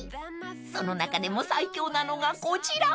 ［その中でも最強なのがこちら］